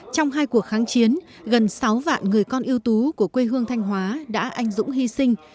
trong hai cuộc kháng chiến gần sáu vạn người con yêu tú của quê hương thanh hóa đã anh dũng hy sinh